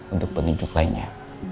untuk petunjuk lainnya